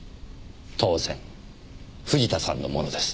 当然藤田さんのものです。